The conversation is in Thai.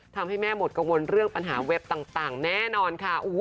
ทำให้แม่หมดกังวลเรื่องปัญหาเว็บต่างแน่นอนค่ะ